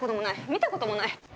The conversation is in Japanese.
見たこともない！